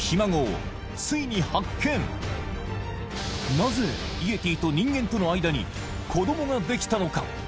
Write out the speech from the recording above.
なぜイエティと人間との間に子どもができたのか？